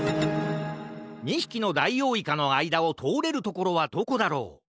２ひきのダイオウイカのあいだをとおれるところはどこだろう？